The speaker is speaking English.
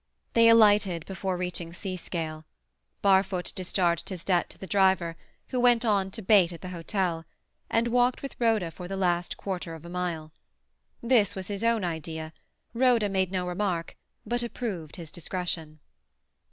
They alighted before reaching Seascale. Barfoot discharged his debt to the driver—who went on to bait at the hotel—and walked with Rhoda for the last quarter of a mile. This was his own idea; Rhoda made no remark, but approved his discretion.